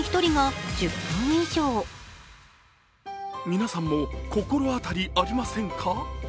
皆さんも心当たりありませんか？